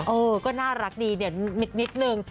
เออก็น่ารักดีเดี๋ยวนิดนึง